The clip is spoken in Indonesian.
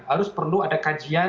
harus perlu ada kajian